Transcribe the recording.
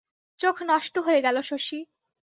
চোখ নষ্ট হয়ে গেল শশী!